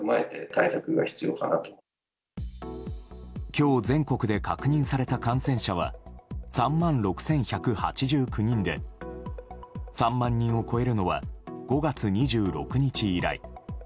今日全国で確認された感染者は３万６１８９人で３万人を超えるのは５月２６日以来。